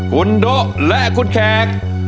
คุณโดะและคุณแขก